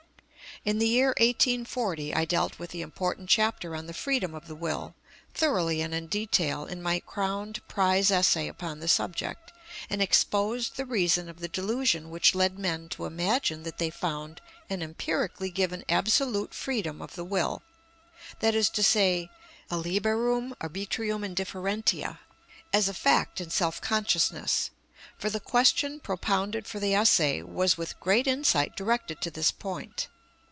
In the year 1840 I dealt with the important chapter on the freedom of the will, thoroughly and in detail, in my crowned prize essay upon the subject, and exposed the reason of the delusion which led men to imagine that they found an empirically given absolute freedom of the will, that is to say, a liberum arbitrium indifferentiæ, as a fact in self consciousness; for the question propounded for the essay was with great insight directed to this point.